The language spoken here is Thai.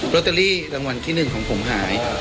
โรเตอรี่รางวัลที่หนึ่งของผมหาย